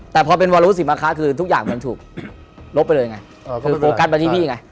แต่พอเป็นวารุสิมค้าคือทุกอย่างเหมือนถูกลบไปเลยไงโฟกันไปนี่ไง